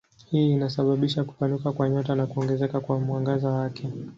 Hii inasababisha kupanuka kwa nyota na kuongezeka kwa mwangaza wake.